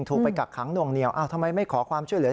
ถูกไปกักขังหน่วงเหนียวทำไมไม่ขอความช่วยเหลือ